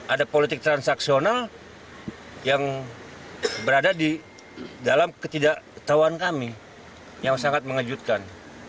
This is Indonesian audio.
ada politik transaksional yang berada di dalam ketidaktahuan kami yang sangat mengejutkan